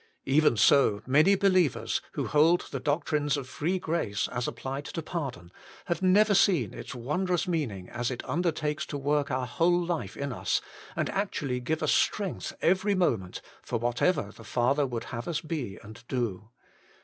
Even so many believers, who hold the doctrines of free grace as applied to pardon, have never seen its wondrous meaning as it 88 THE MINISTRY OF INTERCESSION undertakes to work our whole life in us, and actually give ILS strength every moment for whatever the Father would have us be and do.